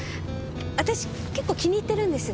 私結構気に入ってるんです。